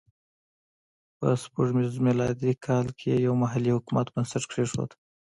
په سپوږمیز میلادي کال کې یې یو محلي حکومت بنسټ کېښود.